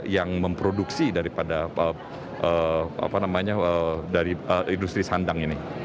yang memproduksi dari industri sandang ini